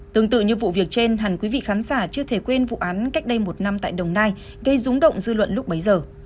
tương tự như vụ việc trên hẳn quý vị khán giả chưa thể quên vụ án cách đây một năm tại đồng nai gây rúng động dư luận lúc bấy giờ